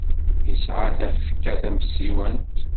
Isɛa tafekka tamsiswant.